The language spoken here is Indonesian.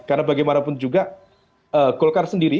karena bagaimanapun juga golkar sendiri